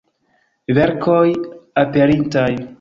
Verkoj aperintaj.